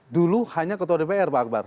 dulu hanya ketua dpr pak akbar